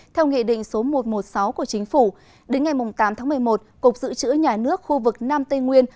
theo nghị định số một trăm một mươi sáu của chính phủ đến ngày tám tháng một mươi một cục dự trữ nhà nước khu vực nam tây nguyên